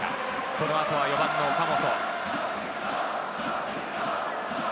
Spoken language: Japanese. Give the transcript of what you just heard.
この後は４番の岡本。